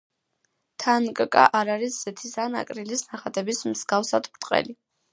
თანგკა არ არის ზეთის ან აკრილის ნახატების მსგავსად ბრტყელი.